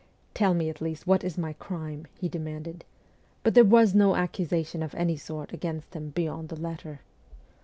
' Tell me, at least, what is my crime,' he demanded ; but there was no accusation of any sort against him beyond the letter.